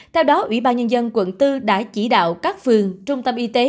theo đó ubnd quận bốn đã chỉ đạo các phường trung tâm it